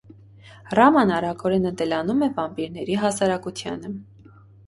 Ռաման արագորեն ընտելանում է վամպիրների հասարակությանը։